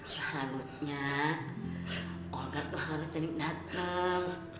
seharusnya olga tuh harus sering dateng